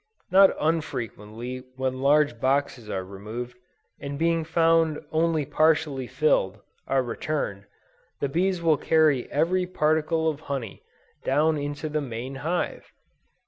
Not unfrequently when large boxes are removed, and being found only partially filled, are returned, the bees will carry every particle of honey down into the main hive!